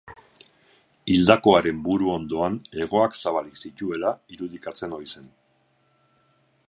Hildakoaren buru ondoan hegoak zabalik zituela irudikatzen ohi zen.